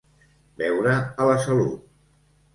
Beure a la salut.